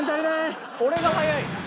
俺が速い？